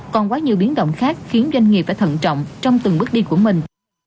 còn quá nhiều biến động khác khiến doanh nghiệp phải thận trọng trong từng bước đi của mình